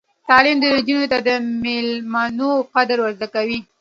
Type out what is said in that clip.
تعلیم نجونو ته د میلمنو قدر ور زده کوي.